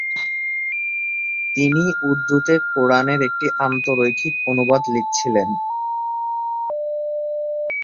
তিনি উর্দুতে কুরআনের একটি আন্তঃরৈখিক অনুবাদ লিখেছিলেন।